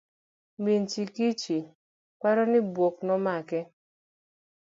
Min Chikichi paro gi buok nomake.